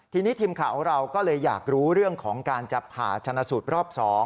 ทีนี้ทีมข่าวของเราก็เลยอยากรู้เรื่องของการจะผ่าชนะสูตรรอบ๒